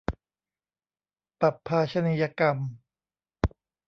ปัพพาชนียกรรม